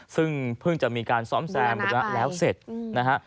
ซึ่งเพิ่งจะมีการซ้อมแซมไปแล้วเสร็จนะฮะ